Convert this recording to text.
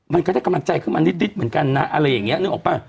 มันก็ได้กำลังใจขึ้นมานิดเหมือนกันนะอะไรอย่างนี้นึกออกป่ะ